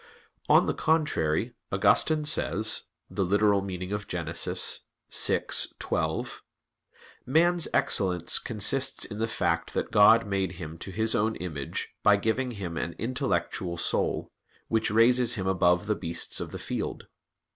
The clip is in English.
On the contrary, Augustine says (Gen. ad lit. vi, 12): "Man's excellence consists in the fact that God made him to His own image by giving him an intellectual soul, which raises him above the beasts of the field."